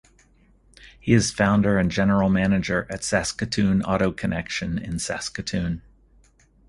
He is founder and General Manager at "Saskatoon Auto Connection" in Saskatoon.